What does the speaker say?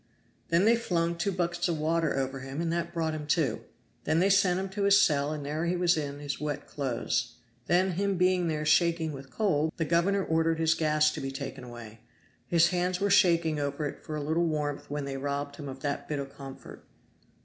"Then they flung two buckets of water over him and that brought him to. Then they sent him to his cell and there he was in his wet clothes. Then him being there shaking with cold, the governor ordered his gas to be taken away his hands were shaking over it for a little warmth when they robbed him of that bit o' comfort."